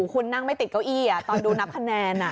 คุณนั่งไม่ติดเก้าอี้ตอนดูนับคะแนน